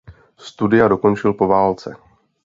Studia dokončil po válce.